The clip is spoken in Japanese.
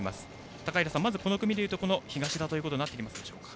高平さん、この組で言うと東田ということになってくるでしょうか？